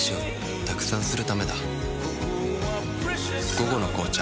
「午後の紅茶」